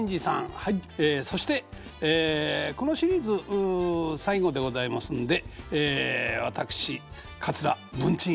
はいそしてこのシリーズ最後でございますんで私桂文珍。